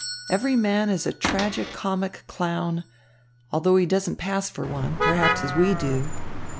Every man is a tragi comic clown, although he doesn't pass for one, perhaps, as we do.